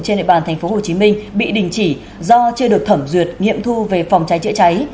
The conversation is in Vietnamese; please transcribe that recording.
trên địa bàn tp hcm bị đình chỉ do chưa được thẩm duyệt nghiệm thu về phòng cháy chữa cháy